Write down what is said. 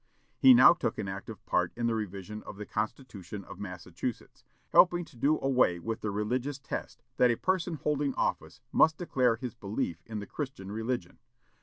He now took an active part in the revision of the Constitution of Massachusetts, helping to do away with the religious test, that a person holding office must declare his belief in the Christian religion.